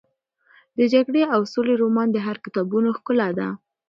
د جګړې او سولې رومان د هر کتابتون ښکلا ده.